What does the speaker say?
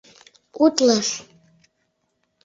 УТЛЫШ